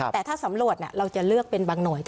แต่ถ้าสำรวจเราจะเลือกเป็นบางหน่วย